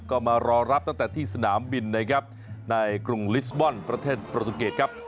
ก็มารอรับตั้งแต่ที่สนามบินนะครับในกรุงลิสบอลประเทศโปรตุเกตครับ